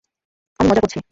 আমি মজা করছি।